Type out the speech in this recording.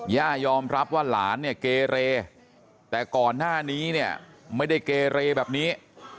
ย่ายอมรับว่าหลานเนี่ยเกเรแต่ก่อนหน้านี้เนี่ยไม่ได้เกเรแบบนี้